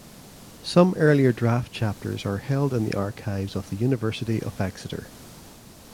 Some earlier draft chapters are held in the archives of the University of Exeter.